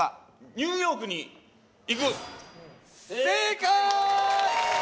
ニューヨークに行く正解！